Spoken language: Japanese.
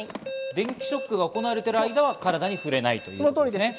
電気ショックが行われている間は体に触れないということですね。